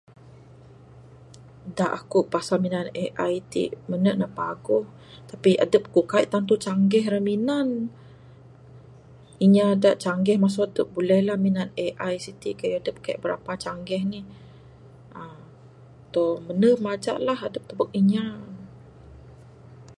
Da aku pasal minan AI ti mene ne paguh tapi adep ku kaik tantu canggih ra minan ne. Inya da canggih masu adep buleh la ne minan AI siti kayuh adep kaik brapa canggih nih aaa tau menem aja adep tubek inya.